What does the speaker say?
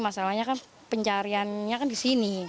masalahnya kan pencariannya kan di sini